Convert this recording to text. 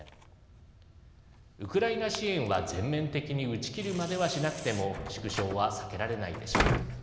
ウクライナ支援は全面的に打ち切るまではしなくても縮小は避けられないでしょう。